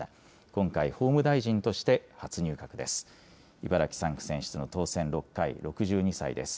今回、法務大臣として初入閣です。